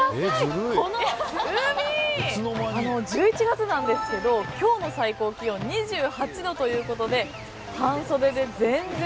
１１月なんですけど今日の最高気温２８度ということで。